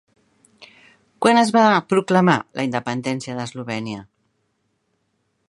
Quan es va proclamar la independència d'Eslovènia?